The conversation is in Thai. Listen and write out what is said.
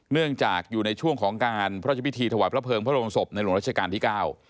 เนื่องจากอยู่ในช่วงของการพระราชพิธีถวายพระเภิงพระบรมศพในหลวงราชการที่เก้า